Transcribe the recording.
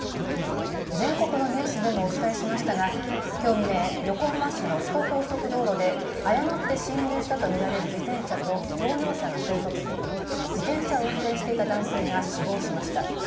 全国のニュースでもお伝えしましたがきょう未明、横浜市の首都高速道路で誤って進入したと見られる自転車と乗用車が衝突し自転車を運転していた男性が死亡しました。